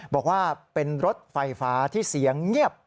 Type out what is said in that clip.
บอกว่าเป็นรถไฟฟ้าที่เสียงเงียบ